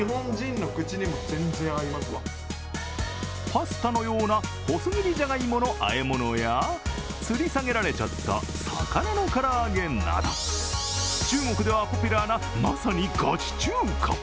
パスタのような細切りジャガイモのあえ物やつり下げられちゃった魚の唐揚げなど、中国ではポピュラーなまさにガチ中華。